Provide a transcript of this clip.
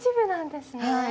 はい。